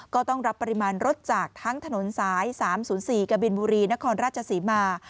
ก็ต้องรับปริมาณรถจากทั้งถนนสาย๓๐๔กบินบุรีนครราชศรีมา